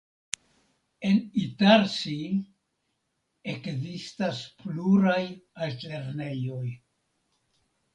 En Itarsi ekzistas pluraj altlernejoj.